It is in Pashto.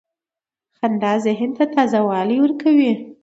• خندا ذهن ته تازه والی ورکوي.